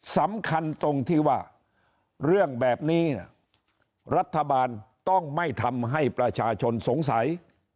สำคัญตรงที่ว่าเรื่องแบบนี้รัฐบาลต้องไม่ทำให้ประชาชนสงสัย